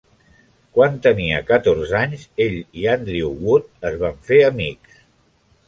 Quan tenia catorze anys, ell i Andrew Wood es van fer amics.